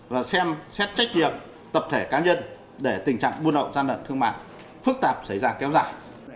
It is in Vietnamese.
và xem xét trách nhiệm tập thể cá nhân để tình trạng buôn lậu gian lận thương mại phức tạp xảy ra kéo dài